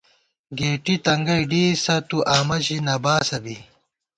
گېٹی تنگَئ ڈېئیسَہ تُو آمہ ژی نہ باسہ بی